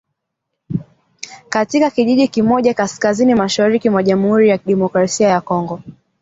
katika kijiji kimoja kaskazini mashariki mwa Jamhuri ya Kidemokrasia ya Kongo